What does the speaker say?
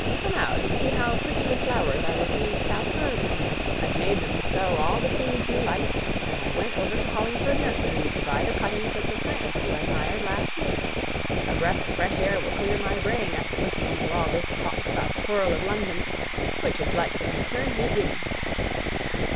Come out and see how pretty the flowers are looking in the south garden. I've made them sow all the seeds you like; and I went over to Hollingford nursery to buy the cuttings of the plants you admired last year. A breath of fresh air will clear my brain after listening to all this talk about the whirl of London, which is like to have turned me giddy."